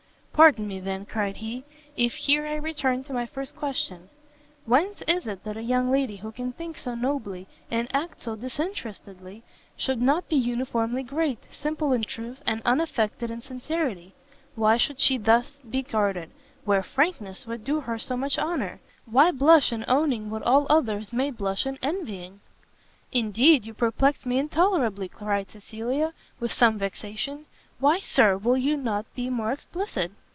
"Pardon me, then," cried he, "if here I return to my first question: whence is it that a young lady who can think so nobly, and act so disinterestedly, should not be uniformly great, simple in truth, and unaffected in sincerity? Why should she be thus guarded, where frankness would do her so much honour? Why blush in owning what all others may blush in envying?" "Indeed you perplex me intolerably," cried Cecilia, with some vexation, "why Sir, will you not be more explicit?"